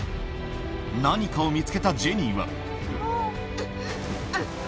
何かを見つけたジェニーはふっ！